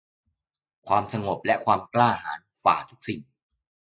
ความสงบและความกล้าหาญฝ่าทุกสิ่ง